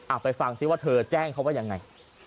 ไปฟังซิว่าเธอแจ้งเขาว่ายังไง